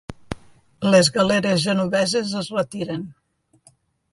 Les galeres genoveses es retiren.